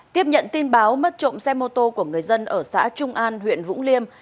tiếp nhận tin báo mất trộm xe mô tô của người dân ở xã trung an huyện vũng liêm